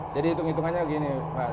jadi hitung hitungannya begini